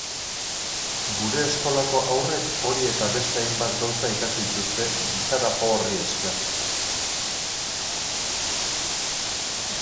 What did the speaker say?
Gure eskolako haurrek hori eta beste hainbat gauza ikasi dituzte gizarajo horri esker.